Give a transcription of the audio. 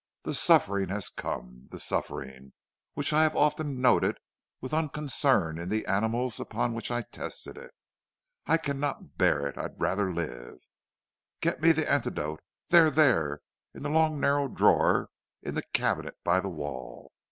The suffering has come, the suffering which I have often noted with unconcern in the animals upon which I tested it. I cannot bear it; I had rather live. Get me the antidote; there, there, in the long narrow drawer in the cabinet by the wall.